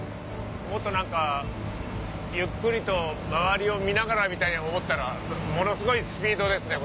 もっと何かゆっくりと周りを見ながらみたいに思ったらものすごいスピードですね